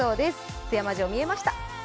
津山城、見えました。